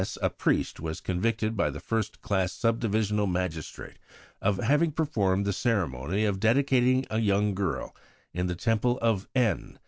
a priest, was convicted by the first class subdivisional magistrate of having performed the ceremony of dedicating a young girl in the Temple of N.